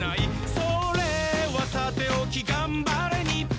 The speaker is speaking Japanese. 「それはさておきがんばれ日本」